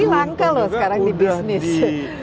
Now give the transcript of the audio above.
ini langka loh sekarang di bisnis